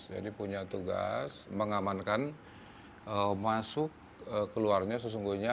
jadi punya tugas mengamankan masuk keluarnya sesungguhnya